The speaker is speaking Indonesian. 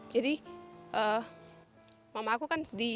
jadi mama aku kan sedih